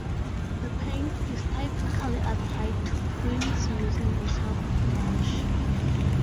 The paint is typically applied to prints using a soft brush.